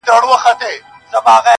سپینه آیینه سوم له غباره وځم،